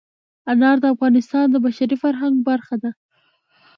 انار د افغانستان د بشري فرهنګ برخه ده.